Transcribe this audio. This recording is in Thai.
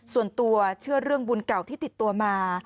ส่วนตัวเชื่อเรื่องบุญเก่าที่ติดตัวมา